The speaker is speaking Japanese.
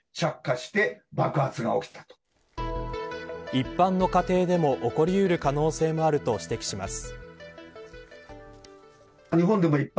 一般の家庭でも起こり得る可能性もあると指摘します。